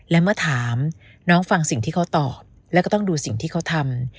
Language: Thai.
และเมื่อถามน้องฟังสิ่งที่เขาตอบแล้วก็ต้องดูสิ่งที่เขาทำ